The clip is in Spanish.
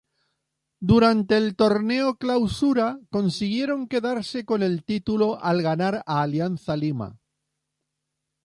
Durante el Torneo Clausura, consiguieron quedarse con el título al ganar a Alianza Lima.